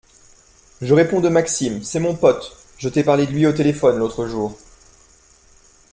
Je réponds de Maxime, c’est mon pote, je t’ai parlé de lui au téléphone l’autre jour.